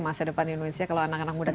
masa depan indonesia kalau anak anak muda